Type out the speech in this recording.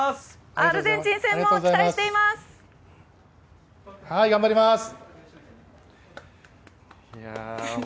アルゼンチン戦も期待しています！